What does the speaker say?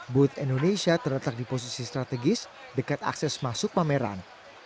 booth indonesia terletak di posisi strategis dekat akses masuk pameran